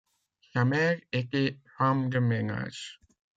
Sa mère était femme de ménage.